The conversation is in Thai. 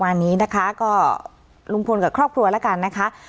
วันนี้นะคะก็ลุงพลกับครอบครัวแล้วกันนะคะ